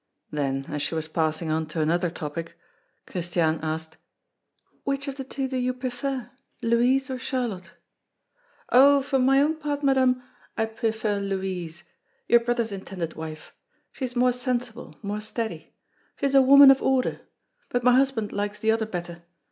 Then, as she was passing on to another topic, Christiane asked: "Which of the two do you prefer, Louise or Charlotte?" "Oh! for my own part, Madame, I prefer Louise, your brother's intended wife; she is more sensible, more steady. She is a woman of order. But my husband likes the other better.